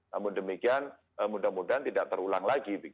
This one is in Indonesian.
namun demikian mudah mudahan tidak terulang lagi